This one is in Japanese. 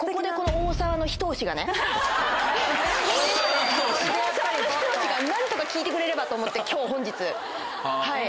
大沢の一押しが何とか効いてくれればと思って今日本日はい。